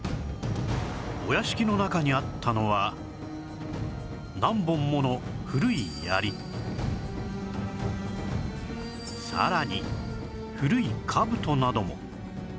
お屋敷の中にあったのは何本ものさらに古い兜なども